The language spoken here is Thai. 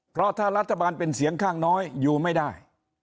เพราะถ้ารัฐบาลเป็นเสียงข้างน้อยอยู่ไม่ได้